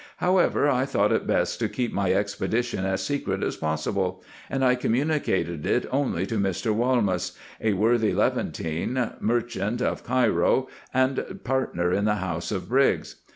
However, I thought it best to keep my expedition as secret as possible ; and I communi cated it only to Mr. Walmas, a worthy Levantine merchant of Cairo, and partner in the house of Briggs.